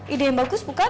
ide yang bagus bukan